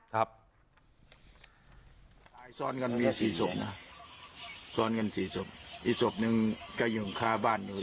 ตายซ้อนกันมีสี่ศพนะซ้อนกันสี่ศพอีกศพหนึ่งก็อยู่คาบ้านอยู่